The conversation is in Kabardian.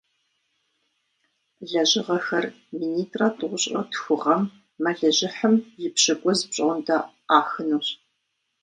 Лэжьыгъэхэр минитӏрэ тӏощӏрэ тху гъэм мэлыжьыхьым и пщыкӀуз пщӀондэ Ӏахынущ.